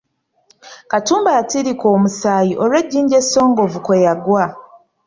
Katumba yatiriika omusaayi olw’ejjinja essongovu kwe yagwa.